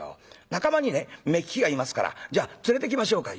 仲間にね目利きがいますからじゃあ連れてきましょうか？」。